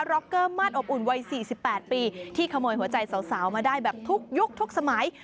ร็อกเกอร์มาตอบอุ่นวัย๔๘ปีที่ขโมยหัวใจสาวมาได้แบบทุกยุคทุกสมัย